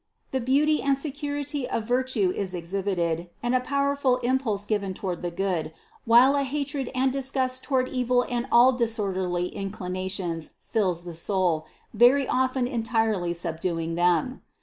The beauty and se curity of virtue is exhibited and a powerful impulse given toward the good, while a hatred and disgust toward evil and all disorderly inclinations fills the soul, very often entirely subduing them.